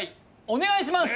お願いします